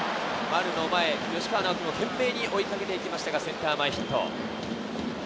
吉川尚輝も懸命に追いかけて行きましたが、センター前ヒット。